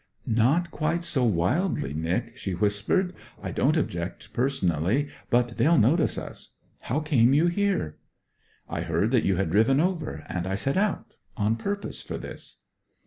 'Not quite so wildly, Nic,' she whispered. 'I don't object personally; but they'll notice us. How came you here?' 'I heard that you had driven over; and I set out on purpose for this.'